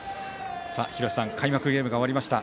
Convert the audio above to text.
廣瀬さん、開幕ゲームが終わりました。